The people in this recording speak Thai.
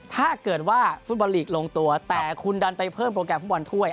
ถ้าเกิดว่าฟุตบอลลีกลงตัวแต่คุณดันไปเพิ่มโปรแกรมฟุตบอลถ้วย